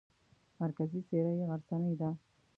مرکزي څېره یې غرڅنۍ ده.